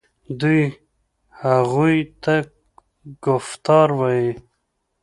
دوی هغوی ته کفتار وايي.